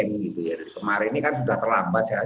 dari kemarin ini kan sudah terlambat